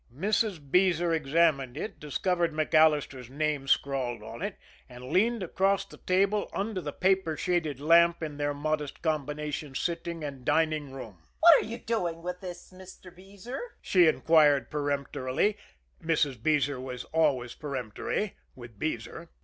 Mrs. Beezer examined it, discovered MacAllister's name scrawled on it, and leaned across the table under the paper shaded lamp in their modest combination sitting and dining room. "What are you doing with this, Mr. Beezer?" she inquired peremptorily; Mrs. Beezer was always peremptory with Beezer.